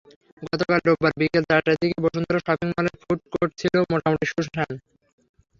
গতকাল রোববার বিকেল চারটার দিকে বসুন্ধরা শপিং মলের ফুড কোর্ট ছিল মোটামুটি সুনসান।